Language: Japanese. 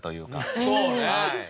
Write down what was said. そうね！